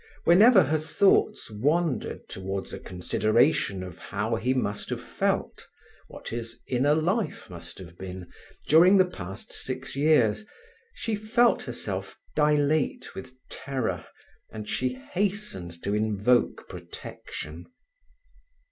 Whenever her thoughts wandered towards a consideration of how he must have felt, what his inner life must have been, during the past six years, she felt herself dilate with terror, and she hastened to invoke protection.